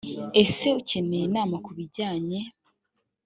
ese ukeneye inama ku bijyanye